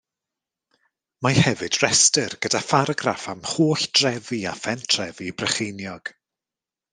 Mae hefyd restr gyda pharagraff am holl drefi a phentrefi Brycheiniog.